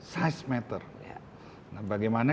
size matter bagaimana